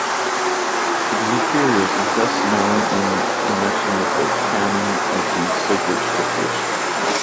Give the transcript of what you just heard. Exuperius is best known in connection with the Canon of the Sacred Scriptures.